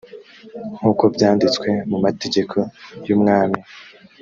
nk uko byanditswe mu mategeko y umwami